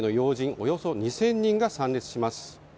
およそ２０００人が参列します。